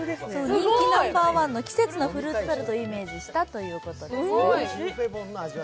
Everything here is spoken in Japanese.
人気ナンバーワンの季節のフルーツタルトをイメージしたということですね。